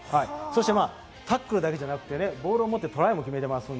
タックルだけじゃなくてボールを持ってトライも決めています。